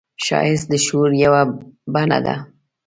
ښایست د شعور یوه بڼه ده